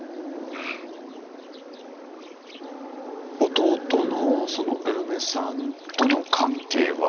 弟のそのお嫁さんとの関係は？